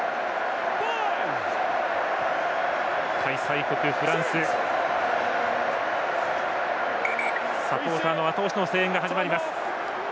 開催国フランスサポーターのあと押しの声援が始まります。